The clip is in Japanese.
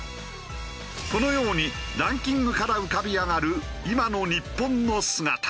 このようにランキングから浮かび上がる今の日本の姿。